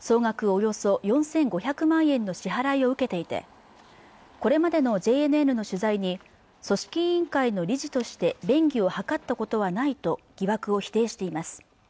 およそ４５００万円の支払いを受けていてこれまでのＪＮＮの取材に組織委員会の理事として便宜を図ったことはないと疑惑を否定しています